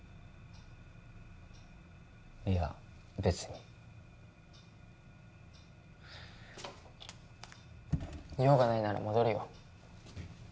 いや別に用がないなら戻るよ